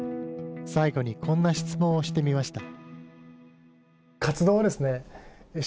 最後にこんな質問をしてみました。